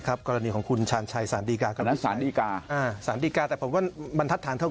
ก็คิดว่าคุณจะใช้ประดับนั้น